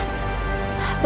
prasini jaga ibu baik